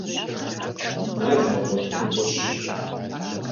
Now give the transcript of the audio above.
Нал къэбгъуэтыну фӏыщ.